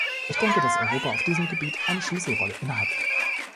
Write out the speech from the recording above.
Ich denke, dass Europa auf diesem Gebiet eine Schlüsselrolle innehat.